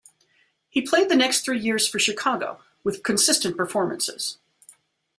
He played the next three years for Chicago, with consistent performances.